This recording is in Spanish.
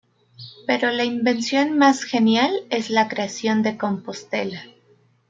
Pero la invención más genial es la creación de Compostela.